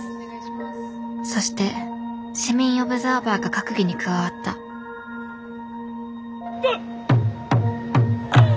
そして市民オブザーバーが閣議に加わったハッ！